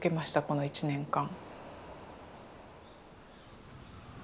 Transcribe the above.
この１年間。